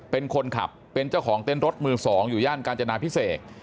เป็นคนขับเป็นเจ้าของเต้นรถมือ๒อยู่ย่านกาญจนาพิเศษ